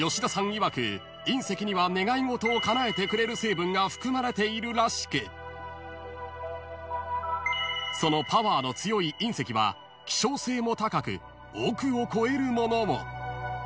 いわく隕石には願い事をかなえてくれる成分が含まれているらしくそのパワーの強い隕石は希少性も高く億を超えるものも］